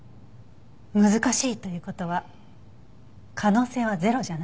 難しいという事は可能性はゼロじゃない。